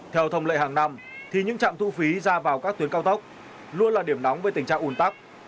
theo thông lệ hàng năm những trạm thu phí ra vào các tuyến cao tốc luôn là điểm nóng với tình trạng un tắc